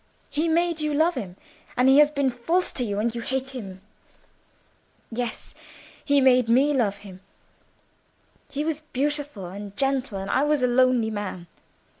He made you love him, and he has been false to you; and you hate him. Yes, he made me love him: he was beautiful and gentle, and I was a lonely man.